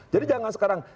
jadi jangan sekarang